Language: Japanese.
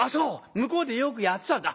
向こうでよくやってたんだ」。